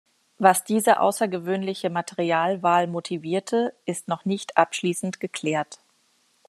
Was diese außergewöhnliche Materialwahl motivierte, ist noch nicht abschließend geklärt.